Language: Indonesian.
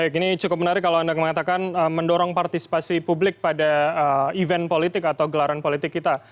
baik ini cukup menarik kalau anda mengatakan mendorong partisipasi publik pada event politik atau gelaran politik kita